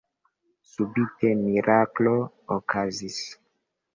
Subite miraklo okazis.